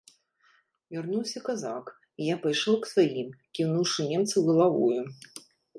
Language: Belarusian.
Вярнуўся казак, і я пайшоў к сваім, кіўнуўшы немцу галавою.